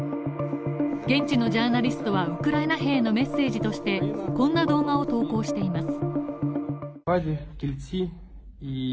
現地のジャーナリストはウクライナ兵のメッセージとして、こんな動画を投稿しています。